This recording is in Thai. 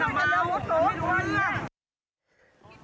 โดยควรพบริษัท